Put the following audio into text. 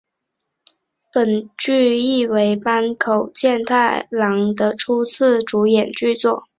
本剧亦为坂口健太郎的初次主演剧作。